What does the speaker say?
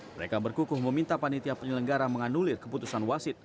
mereka berkukuh meminta panitia penyelenggara menganulir keputusan wasit